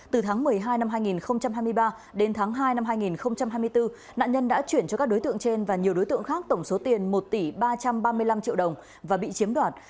từ tháng một mươi hai năm hai nghìn hai mươi ba đến tháng hai năm hai nghìn hai mươi bốn nạn nhân đã chuyển cho các đối tượng trên và nhiều đối tượng khác tổng số tiền một tỷ ba trăm ba mươi năm triệu đồng và bị chiếm đoạt